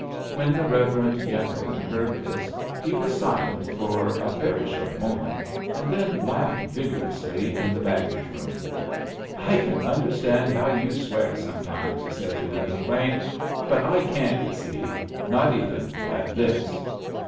When the reverend gentleman heard this he was silent for a very short moment, and then laughed vigorously in the baggage room. "I can understand how you swear sometimes," he said to Lin McLean; "but I can't, you see. Not even at this."